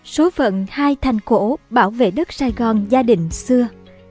số phận hai thành cổ bảo vệ đất sài gòn gia đình xưa